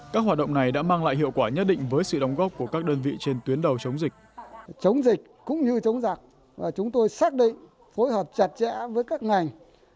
các hoạt động này đã mang lại hiệu quả nhất định với sự đóng góp của các đơn vị trên tuyến đầu chống dịch